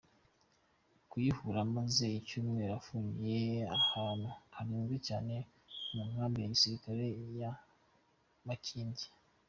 Kayihura amaze icyumweru afungiye ahantu harinzwe cyane mu nkambi ya gisirikare ya Makindye.